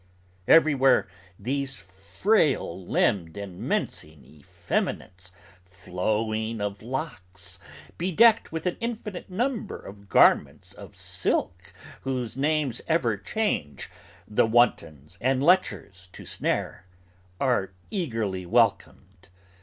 Everywhere These frail limbed and mincing effeminates, flowing of locks, Bedecked with an infinite number of garments of silk Whose names ever change, the wantons and lechers to snare, Are eagerly welcomed!